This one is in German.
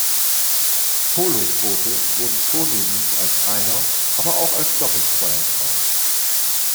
Pohlus-Boote wurden vornehmlich als Einer, aber auch als Doppelzweier gebaut.